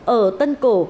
ở tân cổ